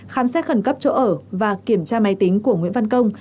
khám xét khẩn cấp chỗ ở và kiểm tra máy tính của nguyễn văn công